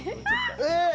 えっ！